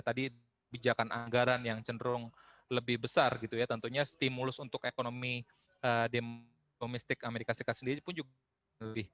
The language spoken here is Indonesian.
tadi bijakan anggaran yang cenderung lebih besar gitu ya tentunya stimulus untuk ekonomi domestik amerika serikat sendiri pun juga lebih